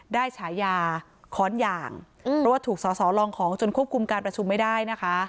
ฉายาค้อนอย่างเพราะว่าถูกสอสอลองของจนควบคุมการประชุมไม่ได้นะคะ